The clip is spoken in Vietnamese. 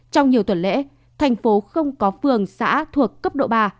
trong nhiều tuần lễ thành phố không có phường xã thuộc cấp độ ba